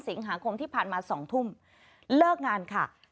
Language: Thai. สิงหาคมที่ผ่านมา๒ทุ่มเลิกงานค่ะ